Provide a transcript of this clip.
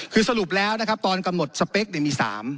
คือสรุปแล้วนะครับตอนกำหนดสเปคมี๓